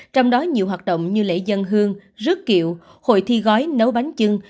trong đó nhiều hoạt động như lễ dân hương rước kiệu hội thi gói nấu bánh trưng